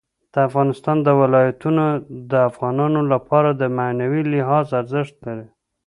د افغانستان ولايتونه د افغانانو لپاره په معنوي لحاظ ارزښت لري.